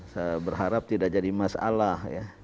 saya berharap tidak jadi masalah ya